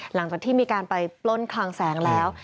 หลังจากที่มีการไปปล้นคลังแสงแล้ว